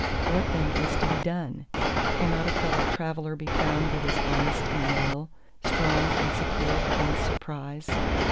What then is to be done? Cannot a fellow traveller be found that is honest and loyal, strong and secure against surprise?